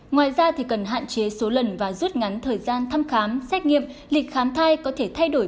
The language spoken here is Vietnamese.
ngoài ra thì cần hạn chế số lần và rút ngắn thời gian thăm khám xét nghiệm lịch khám thai có thể thay đổi